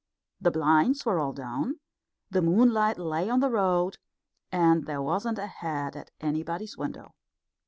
The blinds were all down, the moonlight lay on the road, and there wasn't a head at anybody's window.